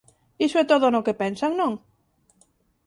Iso é todo no que pensan, non?